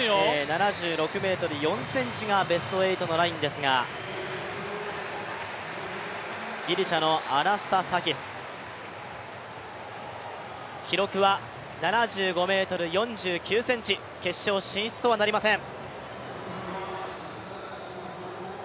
７６ｍ４ｃｍがベスト８のラインですが、ギリシャのアナスタサキス、記録は７５ｍ４９ｃｍ、決勝進出とはなりません。